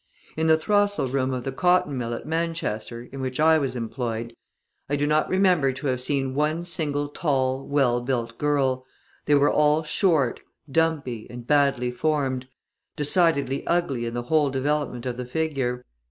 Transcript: In the throstle room of the cotton mill at Manchester, in which I was employed, I do not remember to have seen one single tall, well built girl; they were all short, dumpy, and badly formed, decidedly ugly in the whole development of the figure.